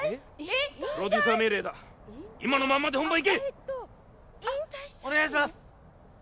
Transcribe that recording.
プロデューサー命令だ今のまんまで本番いけ・お願いします